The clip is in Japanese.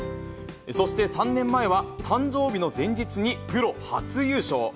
そして３年前は、誕生日の前日にプロ初優勝。